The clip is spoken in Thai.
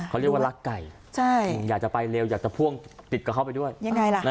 เขาเรียกว่ารักไก่อยากจะไปเร็วอยากจะพ่วงติดกับเขาไปด้วยยังไงล่ะ